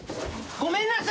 ごめんなさいね。